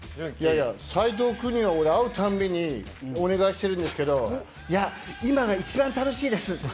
斎藤君には俺、会うたびにお願いしてるんですけどいや、今が一番楽しいですって。